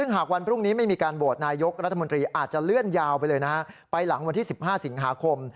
หากวันพรุ่งนี้ไม่มีการโหวตนายกรัฐมนตรีอาจจะเลื่อนยาวไปเลยนะฮะไปหลังวันที่๑๕สิงหาคม